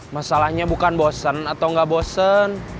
masalahnya bukan bosen atau nggak bosen